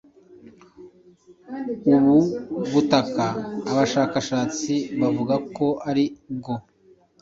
Ubu butaka abashakashatsi bavuga ko ari bwo